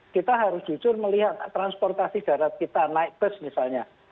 kita harus jujur melihat transportasi darat kita naik bus misalnya